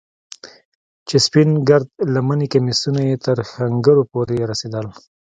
چې سپين گرد لمني کميسونه يې تر ښنگرو پورې رسېدل.